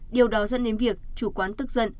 điều đó dẫn đến việc chủ quán tức giận